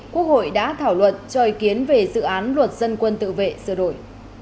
quốc hội đã thảo luận cho ý kiến về dự án luật dân quân tự vệ sửa đổi